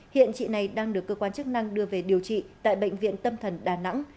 hiện chị này đang được cơ quan chức năng đưa về điều trị tại bệnh viện tâm thần đà nẵng